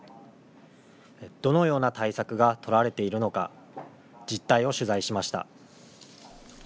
どのような対策が取られているのか実態を取材しました。